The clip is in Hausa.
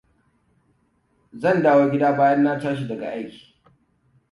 Zan dawo gida bayan na tashi daga aiki.